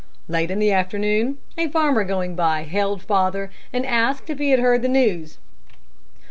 Late in the afternoon, a farmer going by hailed father, and asked if he'd heard the news.